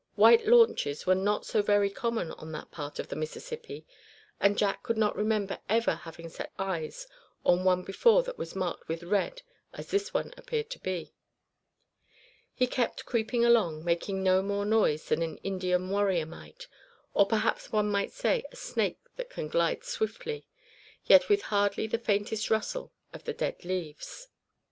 White launches were not so very common on that part of the Mississippi; and Jack could not remember ever having set eyes on one before that was marked with red as this one appeared to be. He kept creeping along, making no more noise than an Indian warrior might; or perhaps one might say, a snake that can glide swiftly, yet with hardly the faintest rustle of the dead leaves.